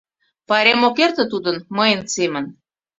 Пайрем ок эрте тудын мыйын семын.